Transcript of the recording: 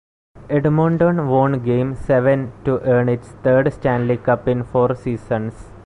Edmonton won game seven to earn its third Stanley Cup in four seasons.